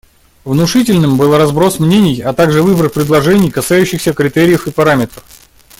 Внушительным был разброс мнений, а также выбор предложений, касающихся критериев и параметров.